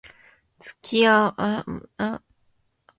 付け合わせのキャベツに味を付けるか付けないか